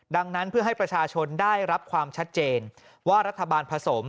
ดังนั้นเพื่อให้ประชาชนได้รับความชัดเจนว่ารัฐบาลผสม